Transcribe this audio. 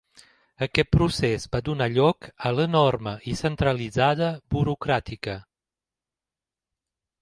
Aquest procés va donar lloc a l'enorme i centralitzada burocràtica.